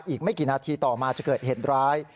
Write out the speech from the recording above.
อีกไม่กี่นาทีต่อมาจะเกิดเหตุร้าย